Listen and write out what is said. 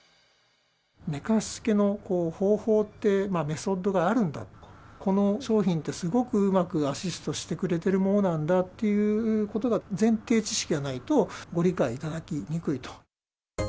寝かしつけの方法って、メソッドがあるんだと、この商品ってすごくうまくアシストしてくれてるものなんだということが、前提知識がないと、ご理解いただきにくいと。